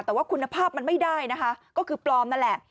แต่ว่าคุณภาพมันไม่ได้นะคะก็คือปลอมนั่นแหละ